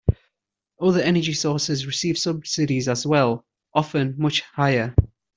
Other energy sources receive subsidies as well, often much higher.